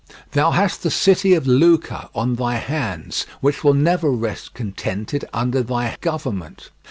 Thou hast the city of Lucca on thy hands, which will never rest contented under thy government.